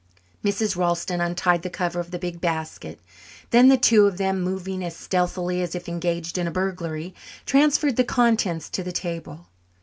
Mrs. Ralston untied the cover of the big basket. Then the two of them, moving as stealthily as if engaged in a burglary, transferred the contents to the table.